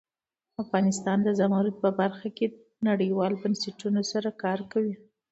افغانستان د زمرد په برخه کې نړیوالو بنسټونو سره کار کوي.